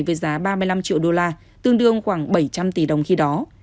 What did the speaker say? với giá ba mươi năm triệu đô la tương đương khoảng bảy trăm linh tỷ đồng khi đó